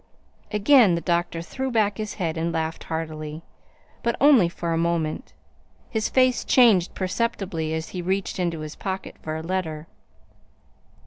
Again the doctor threw back his head and laughed heartily, but only for a moment. His face changed perceptibly as he reached into his pocket for a letter.